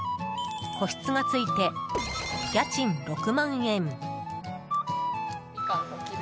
個室がついて家賃６万円。